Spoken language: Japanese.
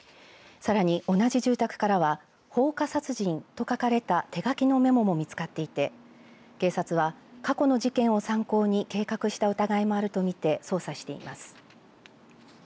さらに同じ住宅からは放火殺人と書かれた手書きのメモも見つかっていて警察は、過去の事件を参考に計画した疑いもあるとみて捜査しています。